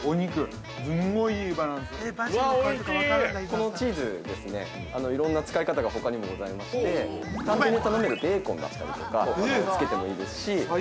◆このチーズ、いろんな使い方がほかにもございまして、単品で頼めるベーコンだったりとかつけてもいいですし。